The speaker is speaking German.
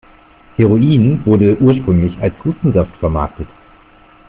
Heroin wurde ursprünglich als Hustensaft vermarktet.